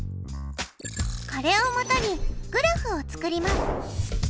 これをもとにグラフを作ります。